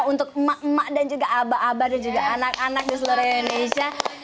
untuk emak emak dan juga abah abah dan juga anak anak di seluruh indonesia